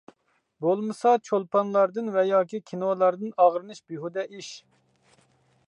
بولمىسا چولپانلاردىن ۋە ياكى كىنولاردىن ئاغرىنىش بىھۇدە ئىش.